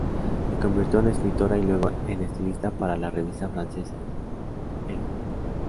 Se convirtió en escritora y luego en estilista para la revista francesa "Elle".